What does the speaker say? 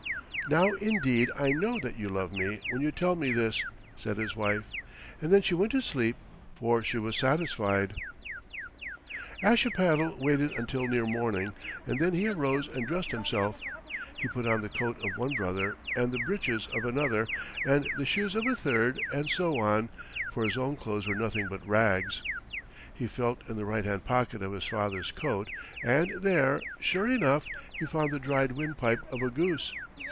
"Now indeed I know that you love me when you tell me this," said his wife. And then she went to sleep, for she was satisfied. Ashipattle waited until near morning, and then he arose and dressed himself. He put on the coat of one brother, and the breeches of another, and the shoes of a third, and so on, for his own clothes were nothing but rags. He felt in the right hand pocket of his father's coat, and there, sure enough, he found the dried windpipe of a goose.